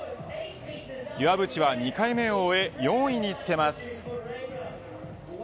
岩渕は２回目を終え４位につけます。